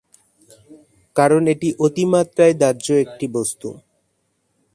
কারণ এটি অতিমাত্রায় দাহ্য একটি বস্তু।